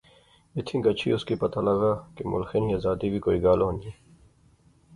ایتھیں گچھی اس کی پتہ لغا کہ ملخے نی آزادی وی کوئی گل ہونی